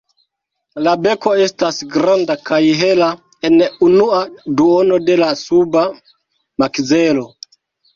La beko estas granda kaj hela en unua duono de la suba makzelo.